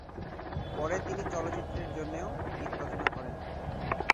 পরে তিনি চলচ্চিত্রের জন্যেও গীত রচনা করেন।